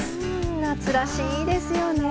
夏らしいですよね。